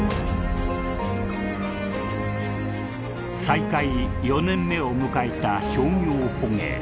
再開４年目を迎えた商業捕鯨。